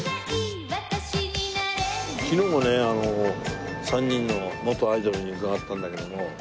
昨日もね３人の元アイドルに伺ったんだけども。